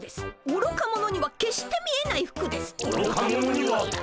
おろか者には決して見えない？